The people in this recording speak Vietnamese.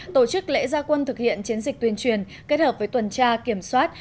tổ chức lễ gia quân thực hiện chiến dịch tuyên truyền kết hợp với tuần tra kiểm soát